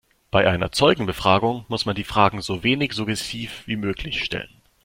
Bei einer Zeugenbefragung muss man die Fragen so wenig suggestiv wie möglich stellen.